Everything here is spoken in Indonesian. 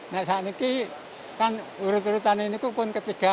nah saat ini kan urutan urutan ini pun ketiga